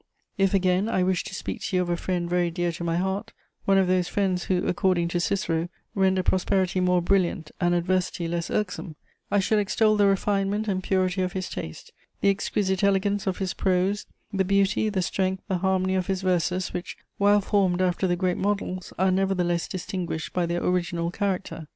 "If, again, I wished to speak to you of a friend very dear to my heart, one of those friends who, according to Cicero, render prosperity more brilliant and adversity less irksome, I should extol the refinement and purity of his taste, the exquisite elegance of his prose, the beauty, the strength, the harmony of his verses, which, while formed after the great models, are nevertheless distinguished by their original character.